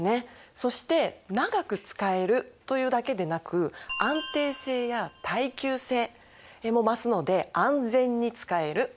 そして長く使えるというだけでなく安定性や耐久性も増すので安全に使えるということになります。